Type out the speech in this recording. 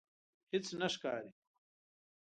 هیڅ نه ښکاري